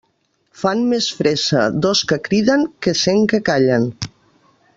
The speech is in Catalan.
Fan més fressa dos que criden que cent que callen.